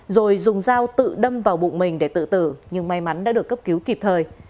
rồi dùng dao tự đâm vào bụng mình để tự tử nhưng may mắn đã được cấp cứu kịp thời